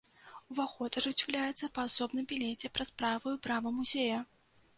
Уваход ажыццяўляецца па асобным білеце праз правую браму музея!!!